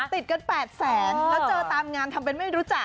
ติดกัน๘แสนแล้วเจอตามงานทำเป็นไม่รู้จัก